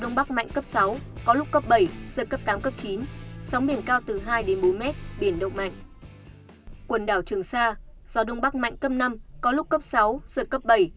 gió đông bắc mạnh cấp sáu có lúc cấp bảy giờ cấp tám cấp chín